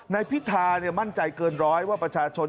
นายพิธาลิ้มเมื่อมั่นใจเกินร้อยว่าประชาชน